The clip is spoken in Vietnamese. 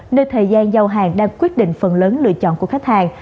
nên thời gian giao hàng đang quyết định phần lớn lựa chọn của khách hàng